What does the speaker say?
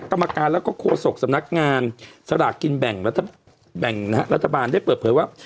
กรรมการแล้วก็โฆษกสำนักงานสลากกินแบ่งรัฐบาลแบ่งนะฮะรัฐบาลได้เปิดเผยว่า